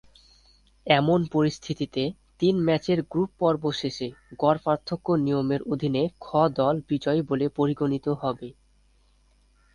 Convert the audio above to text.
এমন পরিস্থিতিতে, তিন ম্যাচের গ্রুপ পর্ব শেষে গড় পার্থক্য নিয়মের অধীনে খ দল বিজয়ী বলে পরিগণিত হবে।